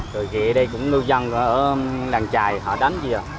rồi ghệ đây cũng lưu dân ở làng trại họ đánh về